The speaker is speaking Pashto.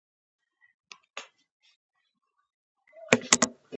پیسې د تبادلې وسیله ده، نه د ارزښت معیار